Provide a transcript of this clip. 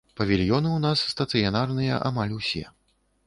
Павільёны ў нас стацыянарныя амаль усё.